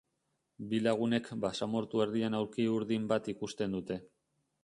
Bi lagunek basamortu erdian aulki urdin bat ikusten dute.